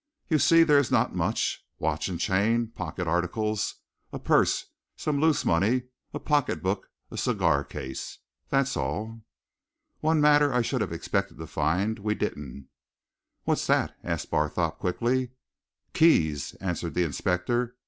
"You see there is not much watch and chain, pocket articles, a purse, some loose money, a pocket book, a cigar case that's all. One matter I should have expected to find, we didn't find." "What's that?" asked Barthorpe quickly. "Keys," answered the inspector.